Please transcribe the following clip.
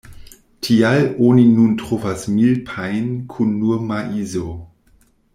Tial oni nun trovas "milpa"-jn kun nur maizo.